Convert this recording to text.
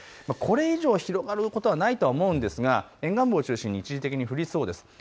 これ以上、広がることはないとは思いますが沿岸部を中心に一時的に降りそうです。